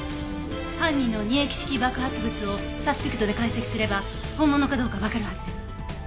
犯人の二液式爆発物をサスピクトで解析すれば本物かどうかわかるはずです。